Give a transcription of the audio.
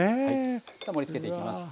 盛りつけていきます。